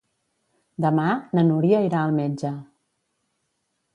Demà na Núria irà al metge.